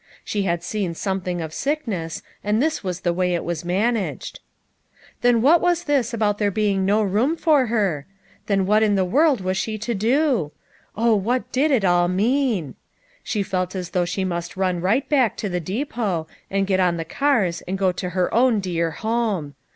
She had seen something of sickness, and this was the way it was managed. Then what was this about there being no room for her ? Then what in the world was she to do? Oh, what did it all mean ! She felt as though she must run right back to the depot, and get on the cars and go to her own dear home.